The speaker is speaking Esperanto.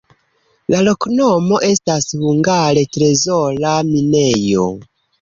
La loknomo estas hungare trezora-minejo.